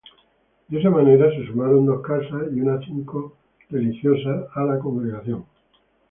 De esa manera se sumaron dos casas y una cinco religiosas a la congregación.